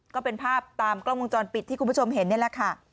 ก็เป็นภาพตามกล้องวงจรปิดที่คุณผู้ชมเห็นนี่แหละค่ะ